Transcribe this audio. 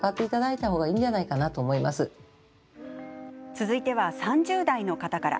続いては、３０代の方から。